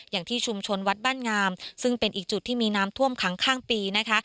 อย่างที่ชุมชนวัดบ้านงามซึ่งเป็นอีกจุดที่มีน้ำท่วมขังข้างปีนะคะ